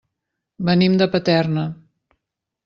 Venim de Paterna.